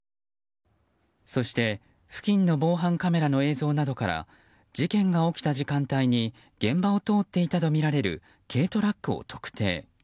そして付近の防犯カメラの映像などから事件が起きた時間帯に現場を通っていたとみられる軽トラックを特定。